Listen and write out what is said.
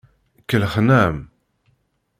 Kellxen-am.